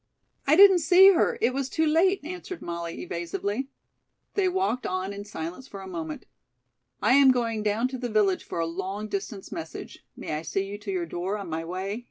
"I didn't see her. It was too late," answered Molly evasively. They walked on in silence for a moment. "I am going down to the village for a long distance message. May I see you to your door on my way?"